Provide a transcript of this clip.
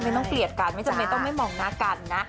ไม่ต้องเกลียดกันไม่ต้องไม่มองหน้ากันนะ